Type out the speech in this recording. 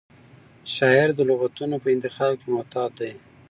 شاعر د لغتونو په انتخاب کې محتاط دی.